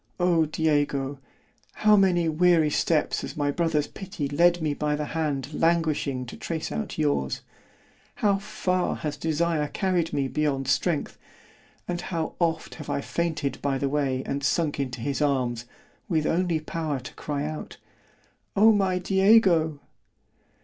O Diego! how many weary steps has my brother's pity led me by the hand languishing to trace out yours; how far has desire carried me beyond strength——and how oft have I fainted by the way, and sunk into his arms, with only power to cry out—O my _Diego!